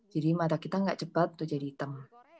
jadi mata kita nggak cepat tuh jadi hitam